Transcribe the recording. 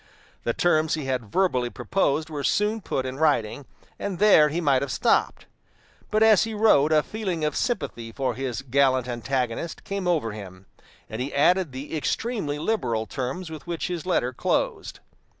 The terms he had verbally proposed were soon put in writing, and there he might have stopped. But as he wrote a feeling of sympathy for his gallant antagonist came over him, and he added the extremely liberal terms with which his letter closed.